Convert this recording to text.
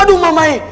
aduh mamah ini